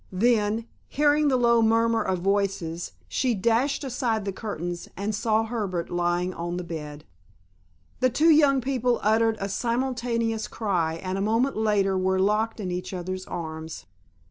Then, hearing the low murmur of voices, she dashed aside the curtains, and saw Herbert lying on the bed. The two young people uttered a simultaneous cry, and a moment later were locked in each other's arms.